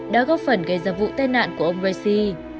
đã góp phần gây ra vụ tai nạn của ông raisi